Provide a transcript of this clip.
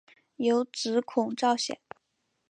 有子孔昭俭。